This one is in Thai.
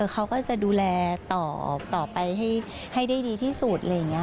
เขาก็จะดูแลต่อไปให้ได้ดีที่สุดอะไรอย่างนี้